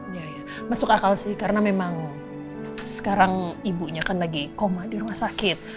iya ya masuk akal sih karena memang sekarang ibunya kan lagi koma di rumah sakit